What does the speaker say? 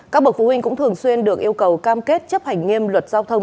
các bậc phụ huynh cũng thường xuyên được yêu cầu cam kết chấp hành nghiêm luật giao thông